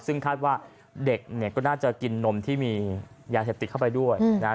ซึ่งคาดว่าเด็กเนี่ยก็น่าจะกินนมที่มียาเสพติดเข้าไปด้วยนะฮะ